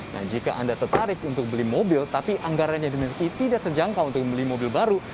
nah jika anda tertarik untuk beli mobil tapi anggaran yang dimiliki tidak terjangkau untuk membeli mobil baru